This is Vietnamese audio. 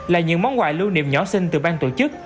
là những món quà lưu niệm nhỏ sinh từ bang tổ chức